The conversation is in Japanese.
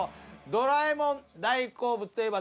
ドラえもん大好物といえば。